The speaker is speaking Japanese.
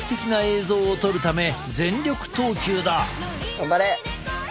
頑張れ！